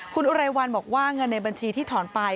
คุณอุไรวันบอกว่าเงินในบัญชีที่ถอนไป